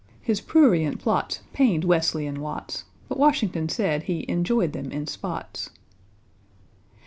His prurient plots pained =W=esley and =W=atts, But =W=ashington said he "enjoyed them in spots."